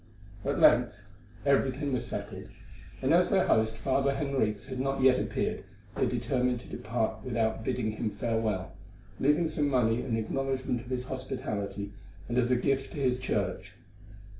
At length everything was settled, and as their host, Father Henriques, had not yet appeared, they determined to depart without bidding him farewell, leaving some money in acknowledgment of his hospitality and as a gift to his church.